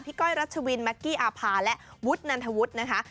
ก้อยรัชวินแก๊กกี้อาภาและวุฒินันทวุฒินะคะ